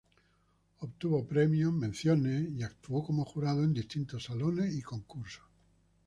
Obtuvo Premios, Menciones y actuó como jurado en distintos salones y concursos.